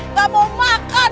nggak mau makan